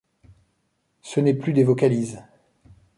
Ce n'est plus des vocalises.